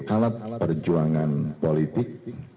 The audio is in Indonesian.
alat perjuangan politik